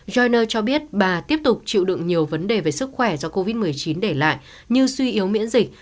johner cho biết bà tiếp tục chịu đựng nhiều vấn đề về sức khỏe do covid một mươi chín để lại như suy yếu miễn dịch